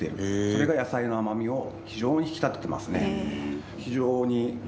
それが野菜の甘みを非常に引き立ててますね。